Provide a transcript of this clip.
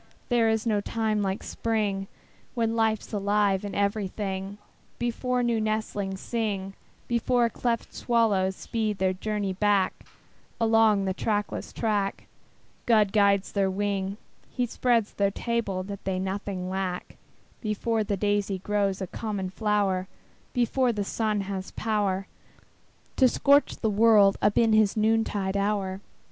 There is no time like Spring, When life's alive in everything, Before new nestlings sing, Before cleft swallows speed their journey back Along the trackless track, God guides their wing, He spreads their table that they nothing lack, Before the daisy grows a common flower, Before the sun has power To scorch the world up in his noontide hour.